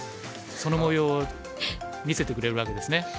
そのもようを見せてくれるわけですね。